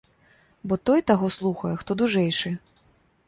Бо той таго слухае, хто дужэйшы.